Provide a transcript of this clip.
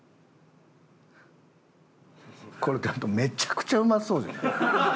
これめちゃくちゃうまそうじゃん。